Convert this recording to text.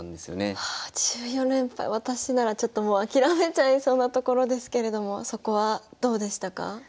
私ならちょっともう諦めちゃいそうなところですけれどもそこはどうでしたか？